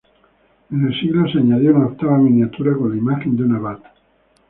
En el siglo se añadió una octava miniatura con la imagen de un abad.